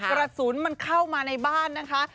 กระสุนมันเข้ามาในบ้านนะคะ